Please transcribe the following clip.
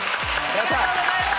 ありがとうございます。